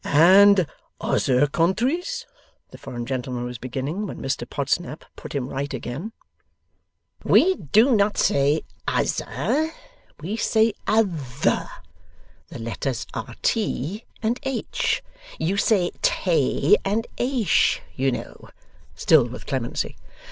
'And ozer countries? ' the foreign gentleman was beginning, when Mr Podsnap put him right again. 'We do not say Ozer; we say Other: the letters are "T" and "H;" You say Tay and Aish, You Know; (still with clemency).